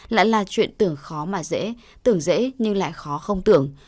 lại là chuyện tưởng khó mà dễ tưởng dễ nhưng lại khó không tưởng